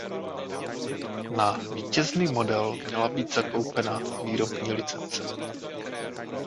Na vítězný model měla být zakoupena výrobní licence.